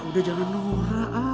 udah jangan menolak